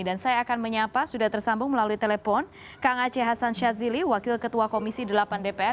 dan saya akan menyapa sudah tersambung melalui telepon kang aceh hasan syadzili wakil ketua komisi delapan dpr